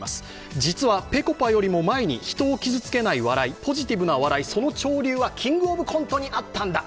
実はぺこぱよりも前に、人を傷つけない笑い、ポジティブな笑い、その潮流は「キングオブコント」にあったんだ。